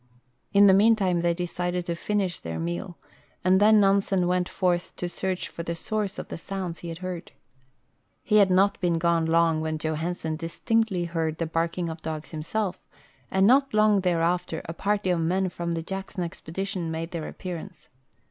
In the meantime they decided to finish their meal, and then Nansen Avent forth to search for the source of the sounds he had heard. He had not been gone long when Johansen distinctly heard the barking of dogs himself, and not long thereafter a party of men from the Jackson expedition made their appearance.